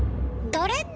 ドレッ。